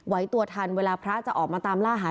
ไว้ตัวทันเวลาพระจะออกมาตามล่าหา